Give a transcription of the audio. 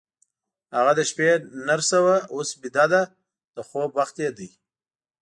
هغه د شپې نرس وه، اوس بیده ده، د خوب وخت یې دی.